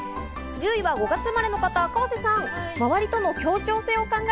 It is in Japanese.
１０位は５月生まれの方、河瀬さん。